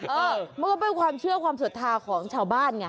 เออมันก็เป็นความเชื่อความศรัทธาของชาวบ้านไง